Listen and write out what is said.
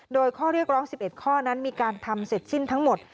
โดยข้อเรียกร้อง๑๑ข้อนั้นมีการทำเสร็จสิ้นทั้งหมด